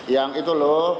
yang itu loh